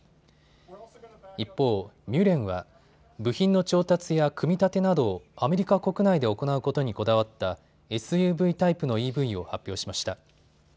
一方、ミュレンは部品の調達や組み立てなどをアメリカ国内で行うことにこだわったＳＵＶタイプのＥＶを発表しました。